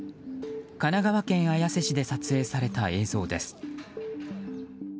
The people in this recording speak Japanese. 神奈川県綾瀬市で撮影された映像です。